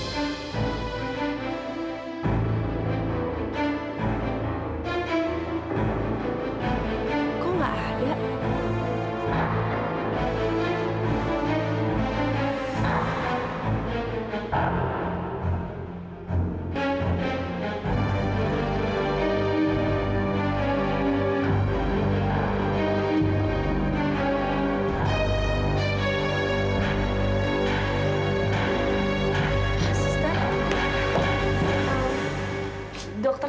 terima kasih suster